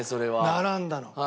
並んだの。